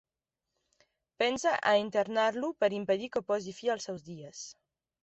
Pensa a internar-lo per impedir que posi fi als seus dies.